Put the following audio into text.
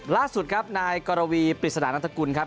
ล่าสุดครับนายกรวีปริศนานันตกุลครับ